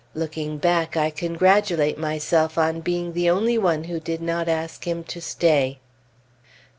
Looking back, I congratulate myself on being the only one who did not ask him to stay.